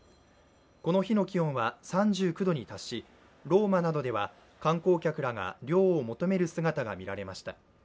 この日の気温は３９度に達しローマなどでは観光客らが涼を求める姿が見られました。